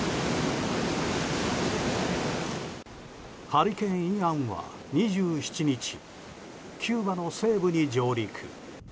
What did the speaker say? ハリケーン、イアンは２７日キューバの西部に上陸。